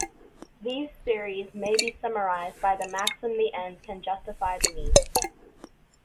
These theories may be summarized by the maxim the ends can justify the means.